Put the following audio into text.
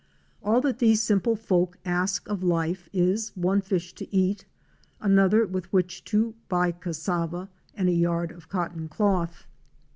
All that these simple folk ask of life is one fish to eat, another with which to buy cassava and a yard of cotton cloth.